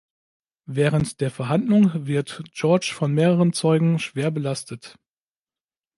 Während der Verhandlung wird George von mehreren Zeugen schwer belastet.